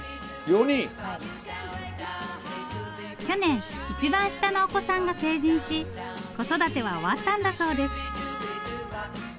去年一番下のお子さんが成人し子育ては終わったんだそうです。